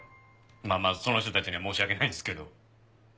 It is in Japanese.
まあまあその人たちには申し訳ないですけど。